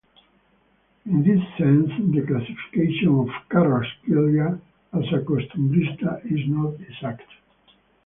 In this sense, the classification of Carrasquilla as a Costumbrista is not exact.